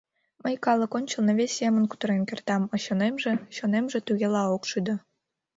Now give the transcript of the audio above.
Мый калык ончылно вес семын кутырен кертам, а чонемже... чонемже тугела ок шӱдӧ.